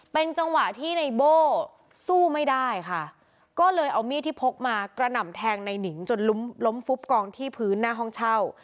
เป็นจังหวะที่ในโบ้สู้ไม่ได้ค่ะก็เลยเอามีดที่พกมากระหน่ำแทงในหนิงจนล้มล้มฟุบกองที่พื้นหน้าห้องเช่า